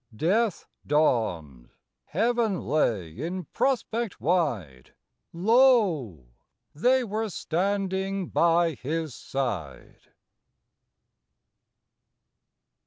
Death dawned; Heaven lay in prospect wide: Lo! they were standing by His side!